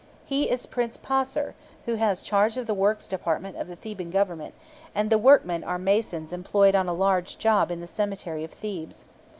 He is Prince Paser, who has charge of the Works Department of the Theban Government, and the workmen are masons employed on a large job in the cemetery of Thebes.